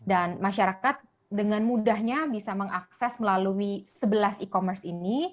dan masyarakat dengan mudahnya bisa mengakses melalui sebelas e commerce ini